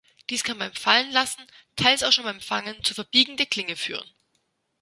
Dies kann beim Fallenlassen, teils auch schon beim Fangen, zum Verbiegen der Klinge führen.